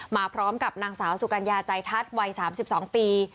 มาพร้อมกับนางสาวสุกัญญาใจทัศน์วัย๓๒ปี